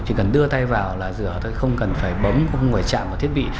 chỉ cần đưa tay vào là rửa thôi không cần phải bấm không phải chạm vào thiết bị